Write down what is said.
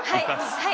はい！